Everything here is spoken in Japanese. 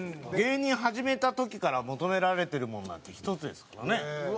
芸人始めた時から求められてるものなんて１つですからね。